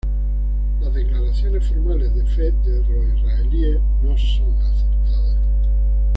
Las declaraciones formales de fe de israelíes no son aceptadas.